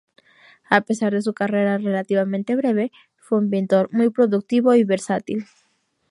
A pesar de su carrera relativamente breve, fue un pintor muy productivo y versátil.